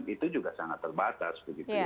itu juga sangat terbatas